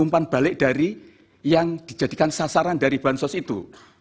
dan balik dari yang dijadikan sasaran dari bansos itu